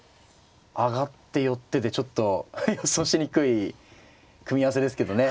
上がって寄ってでちょっと予想しにくい組み合わせですけどね。